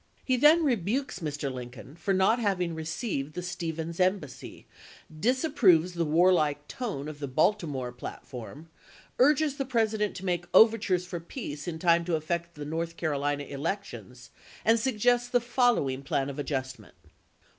He then rebukes Mr. Lin coln for not having received the Stephens embassy, disapproves the warlike tone of the Baltimore plat form, urges the President to make overtures for peace in time to affect the North Carolina elections, and suggests the following plan of adjustment : 1.